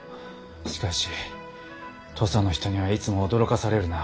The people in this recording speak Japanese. しかし土佐の人にはいつも驚かされるな。